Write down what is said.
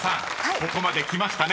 ここまで来ましたね］